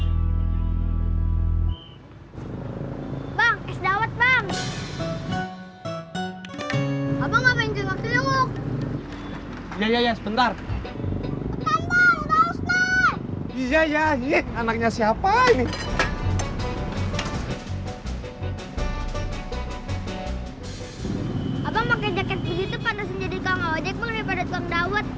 abang pakai jaket buji itu pantas menjadi tukang ojek bang daripada tukang dawet